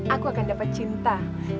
aku akan dapet cinta